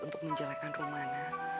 untuk menjelekkan rumana